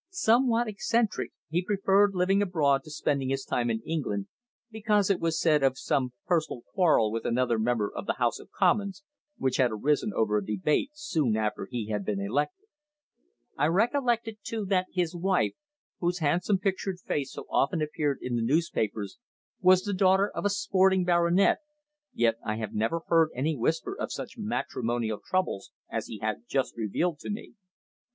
Somewhat eccentric, he preferred living abroad to spending his time in England, because, it was said, of some personal quarrel with another Member of the House of Commons which had arisen over a debate soon after he had been elected. I recollected, too, that his wife whose handsome pictured face so often appeared in the newspapers was the daughter of a sporting baronet, yet I had never heard any whisper of such matrimonial troubles as he had just revealed to me.